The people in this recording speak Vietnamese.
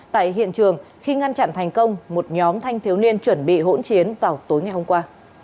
tại hiện trường khi ngăn chặn thành công một nhóm thanh thiếu niên chuẩn bị hỗn chiến vào tối ngày hôm qua